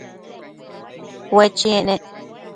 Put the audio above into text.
Ue chiec nec